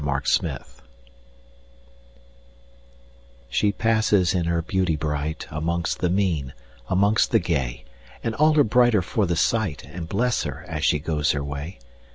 1840 The Secret SHE passes in her beauty brightAmongst the mean, amongst the gay, And all are brighter for the sight, And bless her as she goes her way.